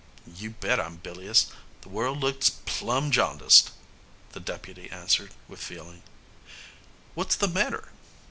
"You bet I'm bilious the world looks plumb ja'ndiced!" the deputy answered, with feeling. "What's the matter?"